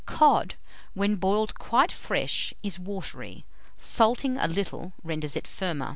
Cod, when boiled quite fresh, is watery; salting a little, renders it firmer.